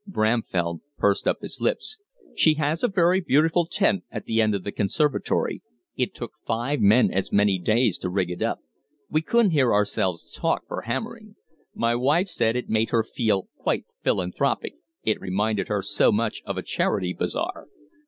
Bramfell pursed up his lips. "She has a very beautiful tent at the end of the conservatory. It took five men as many days to rig it up. We couldn't hear ourselves talk, for hammering. My wife said it made her feel quite philanthropic, it reminded her so much of a charity bazaar."